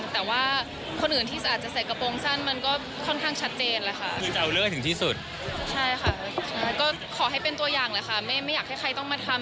แต่ว่าคนอื่นที่อาจจะใส่กระโปรงสั้นมันก็ค่อนข้างชัดเจนแหละค่ะ